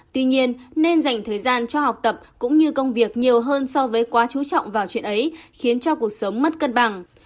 tuy nhiên nên dành thời gian cho học tập cũng như công việc nhiều hơn so với quá chú trọng vào chuyện ấy khiến cho cuộc sống mất cân bằng